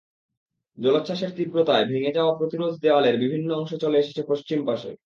জলোচ্ছ্বাসের তীব্রতায় ভেঙে যাওয়া প্রতিরোধ দেয়ালের বিভিন্ন অংশ চলে এসেছে পশ্চিম পাশে।